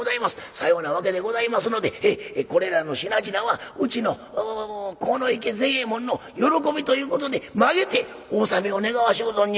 さようなわけでございますのでこれらの品々はうちの鴻池善右衛門の喜びということでまげてお納めを願わしゅう存じます」。